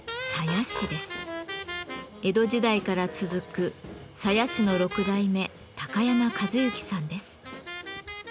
江戸時代から続く鞘師の６代目山一之さんです。